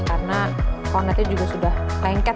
karena kornetnya juga sudah lengket